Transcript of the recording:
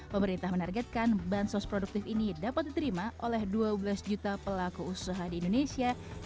pemerintah menargetkan bansos produktif ini dapat diterima oleh dua belas juta pelaku usaha di indonesia